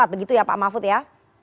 begitu ya pak mahfud ya